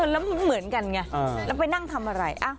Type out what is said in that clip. แล้วเหมือนกันไงแล้วไปนั่งทำอะไร